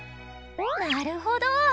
なるほど。